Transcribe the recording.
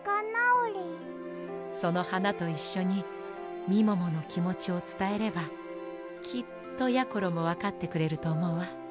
そのはなといっしょにみもものきもちをつたえればきっとやころもわかってくれるとおもうわ。